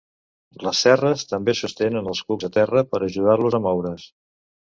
Les cerres també sostenen els cucs a terra per ajudar-los a moure's.